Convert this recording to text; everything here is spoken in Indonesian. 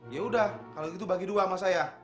ya udah kalau gitu bagi dua sama saya